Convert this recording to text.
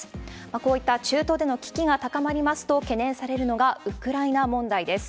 こういった中東での危機が高まりますと、懸念されるのがウクライナ問題です。